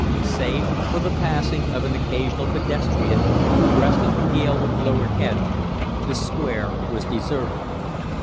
Save for the passing of an occasional pedestrian who breasted the gale with lowered head, the Square was deserted.